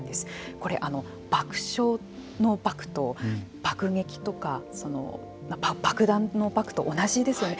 これ、爆笑の爆と爆撃とかの漠と同じですよね。